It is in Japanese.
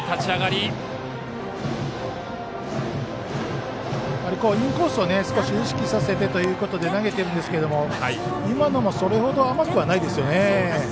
やはりインコースを少し意識させてということで投げてるんですけど今のもそれほど甘くはないですよね。